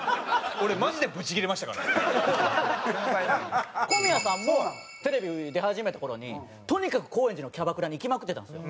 俺マジで小宮さんもテレビ出始めた頃にとにかく高円寺のキャバクラに行きまくってたんですよ。